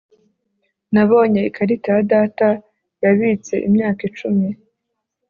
Nabonye ikarita ya data yabitse imyaka icumi